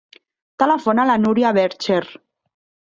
Telefona a la Núria Vercher.